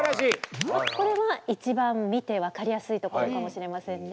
これは一番見て分かりやすいところかもしれませんね。